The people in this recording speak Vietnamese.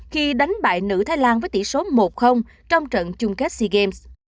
khi đánh bại nữ thái lan với tỷ số một trong trận chung kết sea games